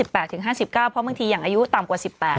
เพราะบางทีอย่างอายุต่ำกว่า๑๘